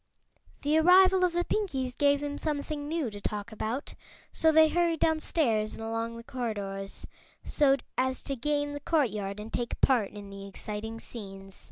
The arrival of the Pinkies gave them something new to talk about, so they hurried downstairs and along the corridors so as to gain the courtyard and take part in the exciting scenes.